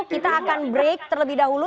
kita akan break terlebih dahulu